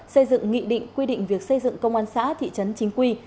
xây dựng nghị định quy định việc xây dựng công an xã thị trấn chính quy